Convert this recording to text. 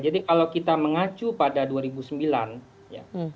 jadi kalau kita mengacu pada dua ribu sembilan ya